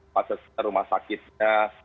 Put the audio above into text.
fase rumah sakitnya